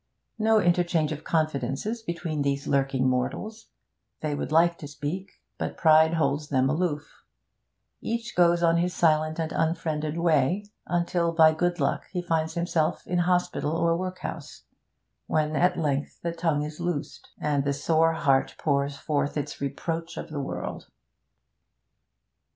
No interchange of confidences between these lurking mortals; they would like to speak, but pride holds them aloof; each goes on his silent and unfriended way, until, by good luck, he finds himself in hospital or workhouse, when at length the tongue is loosed, and the sore heart pours forth its reproach of the world.